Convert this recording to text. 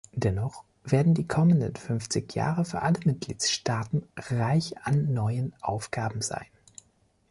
Dennoch werden die kommenden fünfzig Jahre für alle Mitgliedstaaten reich an neuen Aufgaben sein.